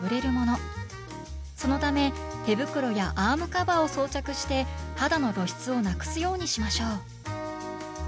そのため手袋やアームカバーを装着して肌の露出をなくすようにしましょう。